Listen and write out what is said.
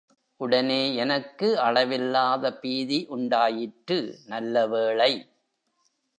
உடனே எனக்கு அளவில்லாத பீதி உண்டாயிற்று, நல்ல வேளை!